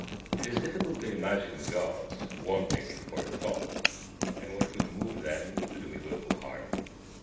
It is difficult to imagine Gods wanting in forethought, and what could move them to do me wilful harm?